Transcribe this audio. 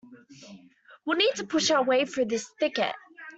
We'll need to push our way through this thicket.